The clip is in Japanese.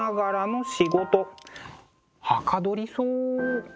はかどりそう。